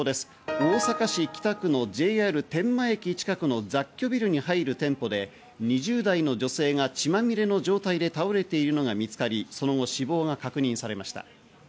大阪市北区のＪＲ天満駅近くの雑居ビルに入る店舗で、２０代の女性が血まみれの状態で倒れているのが見つかり、その後、死亡が確認されました。